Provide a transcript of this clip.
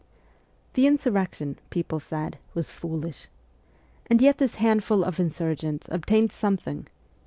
The insurrection, people said, was foolish. And yet this handful of insurgents obtained something.